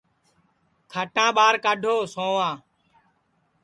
کھٹاں ٻار کھڈھ سؤاں